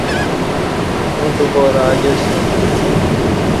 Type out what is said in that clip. اوں تو پارہ اجیاسوم